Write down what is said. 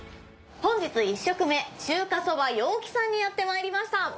本日１食目『中華そば陽気』さんにやってまいりました！